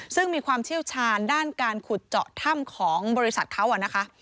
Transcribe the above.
ซึ่งมีความเชี่ยวชาญด้านการขุดเจาะถ้ำของบริษัทเขานะคะ